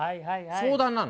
相談なの。